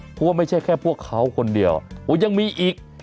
เพราะว่าไม่ใช่แค่พวกเขาคนเดียวโอ้ยังมีอีก